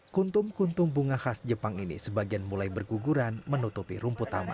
kuntum kuntum bunga khas jepang ini sebagian mulai berguguran menutupi rumput taman